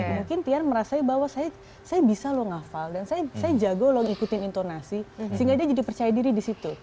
mungkin tian merasa bahwa saya bisa loh ngafal dan saya jago loh ngikutin intonasi sehingga dia jadi percaya diri di situ